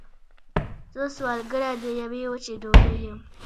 زه سوالګره د یوې وچې ډوډۍ یم